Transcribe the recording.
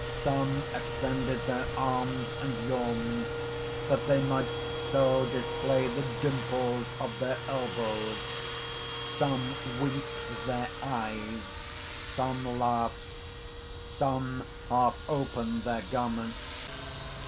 Some extended their arms and yawned, that they might so display the dimples of their elbows; some winked their eyes; some laughed; some half opened their garments.